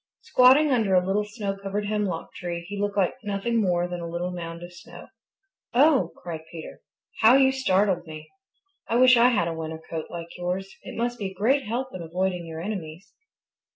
Squatting under a little snow covered hemlock tree he looked like nothing more than a little mound of snow. "Oh!" cried Peter. "How you startled me! I wish I had a winter coat like yours. It must be a great help in avoiding your enemies."